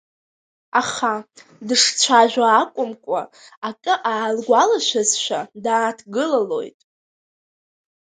Аха, дышцәажәо акәымкәа, акы аалгәалашәазшәа, дааҭгылалоит.